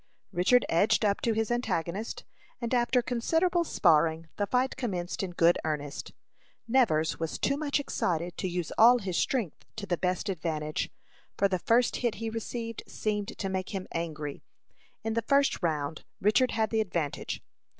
Richard edged up to his antagonist, and after considerable sparring, the fight commenced in good earnest. Nevers was too much excited to use all his strength to the best advantage, for the first hit he received seemed to make him angry. In the first round Richard had the advantage.